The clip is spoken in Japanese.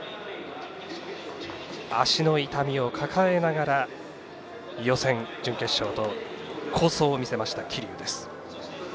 足の痛みを抱えながら予選、準決勝と好走を見せた桐生。